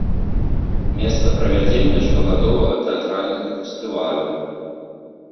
Месца правядзення штогадовага тэатральнага фестывалю.